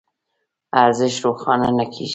ارزش روښانه نه کېږي.